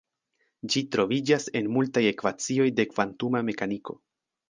Ĝi troviĝas en multaj ekvacioj de kvantuma mekaniko.